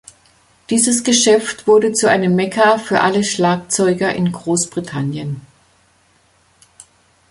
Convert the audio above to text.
Dieses Geschäft wurde zu einem Mekka für alle Schlagzeuger in Großbritannien.